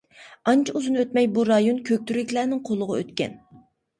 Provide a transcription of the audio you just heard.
ئانچە ئۇزۇن ئۆتمەي بۇ رايون كۆكتۈركلەرنىڭ قولىغا ئۆتكەن.